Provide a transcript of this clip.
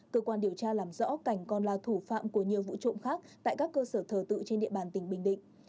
cơ quan điều tra làm rõ cảnh còn là thủ phạm của nhiều vụ trộm khác tại các cơ sở thờ tự trên địa bàn tỉnh bình định